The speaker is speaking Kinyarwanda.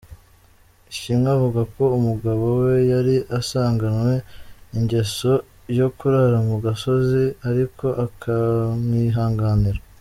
Ishimwe avuga ko umugabo we yari asanganwe ingeso yo kurara mu gasozi ariko akamwihanganira.